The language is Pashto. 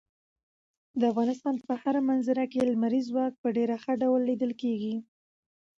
د افغانستان په هره منظره کې لمریز ځواک په ډېر ښکاره ډول لیدل کېږي.